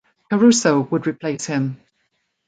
Caruso would replace him.